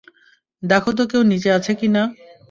দেখো তো কেউ নিচে আছে কি-না।